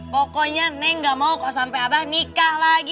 pokoknya neng gak mau kalau sampai aba nikah lagi